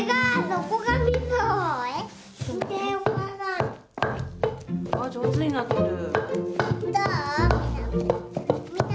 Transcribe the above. うん上手になってる。